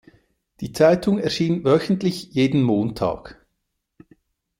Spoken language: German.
Die Zeitung erschien wöchentlich jeden Montag.